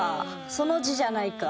その「ジ」じゃないか。